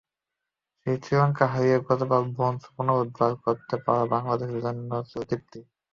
সেই শ্রীলঙ্কাকে হারিয়ে গতবার ব্রোঞ্জ পুনরুদ্ধার করতে পারা বাংলাদেশের জন্য ছিল তৃপ্তির।